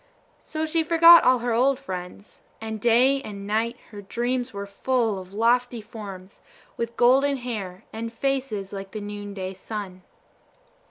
So she forgot all her old friends, and day and night her dreams were full of lofty forms with golden hair and faces like the noonday sun.